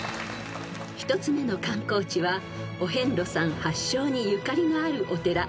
［１つ目の観光地はお遍路さん発祥にゆかりのあるお寺石手寺］